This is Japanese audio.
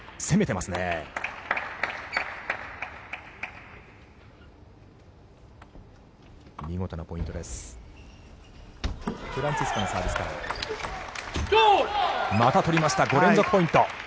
また取りました５連続ポイント。